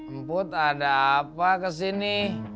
emput ada apa kesini